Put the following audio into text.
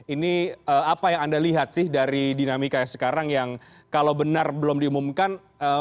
ini apa yang anda lihat sih dari dinamika sekarang yang kalau benar belum diumumkan